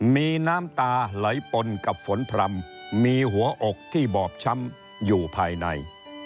มีน้ำตาไหลปนกับฝนพร่ำมีหัวอกที่บอบช้ำอยู่ภายใน